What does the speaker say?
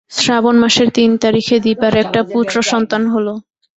শ্রাবণ মাসের তিন তারিখে দিপার একটা পুত্রসন্তান হল।